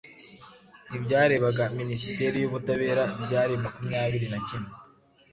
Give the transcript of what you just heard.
ibyarebaga Minisiteri y'Ubutabera byari makumyabiri nakimwe